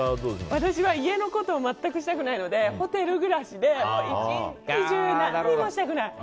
私は家のことを全くしたくないのでホテル暮らしで１日中、何もしたくない。